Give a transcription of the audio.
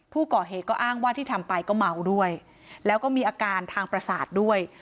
ผู้ก่อเหตุก็อ้างว่าที่ทำไปก็เมาด้วยแล้วก็มีอาการทางประสาทด้วย